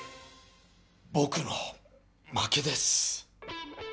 ぼくの負けです。